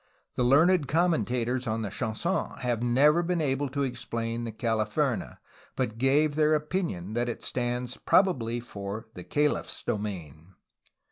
The learned commentators on the Chanson have never been able to explain the "Calif erne," but give their opinion that it stands probably for ^^the caUph's domain."